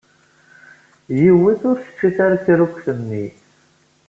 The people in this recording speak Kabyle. Yiwet ur tečči tarekrukt-nni.